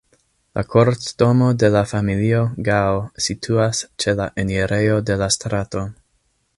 La kortdomo de la familio Gao situas ĉe la enirejo de la strato.